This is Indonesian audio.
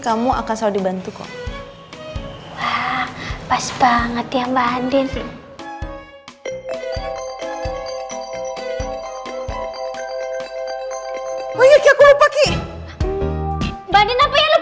kamu akan selalu dibantu kok pas banget ya mbak andin banyaknya kelupak i banding apa yang lupa